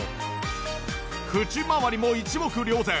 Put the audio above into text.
口まわりも一目瞭然。